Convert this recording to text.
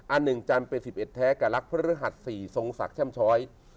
อันหนึ่งจันทร์เป็น๑๑แท้กับรักพฤหัส๔ทรงศักดิ์แช่มช้อย